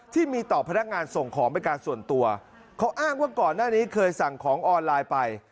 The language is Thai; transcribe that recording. ที่มีต่อพนักงานส่งของเป็นการส่วนตัวเขาอ้างว่าก่อนหน้านี้เคยสั่งของออนไลน์ไป